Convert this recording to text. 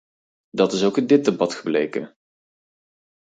Dat is ook in dit debat gebleken.